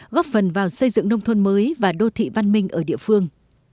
góp phần vào xây dựng nông thôn mới và đô thị văn minh ở địa phương